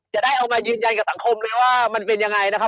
จะได้เอามายืนยันกับสังคมเลยว่ามันเป็นยังไงนะครับ